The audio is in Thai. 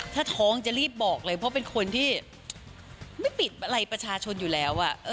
ถ้าท้องจะรีบบอกเลยเพราะเป็นคนที่ไม่ปิดอะไรประชาชนอยู่แล้ว